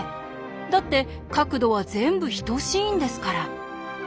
だって角度は全部等しいんですから。